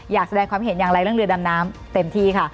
อยากแสดงความเห็นอย่างไรเรื่องเรือดำน้ำเต็มที่ค่ะ